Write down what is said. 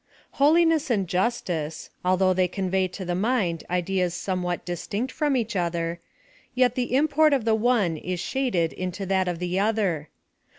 Holiness and justice, although they convey to the mind ideas somewhat distinct from each other, yet the import of the one is shaded into that of the other.